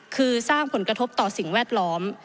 คือสร้างผลกระทบต่อสิ่งแวดล้อม